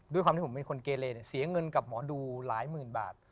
ด้วยความที่ผมเป็นคนเกเลเสียเงินกับหมอดูหลายหมื่นบาท